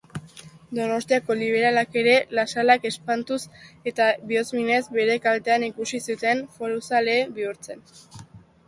Donostiako liberalak ere, Lasalak espantuz eta bihozminez bere kaltean ikusi zituen foruzale bihurtzen.